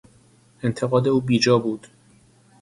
انتقاد او بیجا بود.